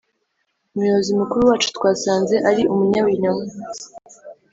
umuyobozi mukuru wacu twasanze ari umunyabinyoma